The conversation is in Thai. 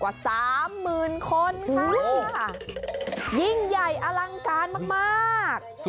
กว่าสามหมื่นคนค่ะยิ่งใหญ่อลังการมากมาก